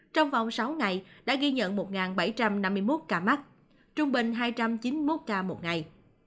trong vòng sáu ngày đã ghi nhận một bảy trăm năm mươi một ca mắc trung bình hai trăm chín mươi một ca một ngày